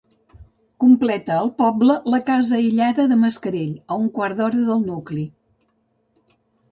Completa el poble la casa aïllada de Mascarell, a un quart d'hora del nucli.